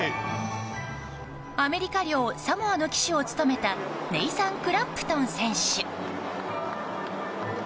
アメリカ領サモアの旗手を務めたネイサン・クランプトン選手。